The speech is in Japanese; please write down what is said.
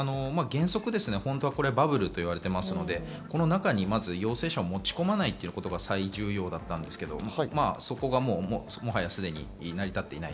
原則、バブルと言われてますので、この中に陽性者を持ち込まないっていうことが最重要だったんですけど、そこが成り立っていない。